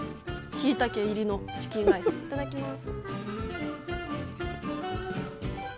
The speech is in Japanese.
しいたけ入りのチキンライスいただきます。